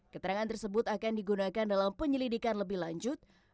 keterangan tersebut akan digunakan dalam penyelidikan lebih lanjut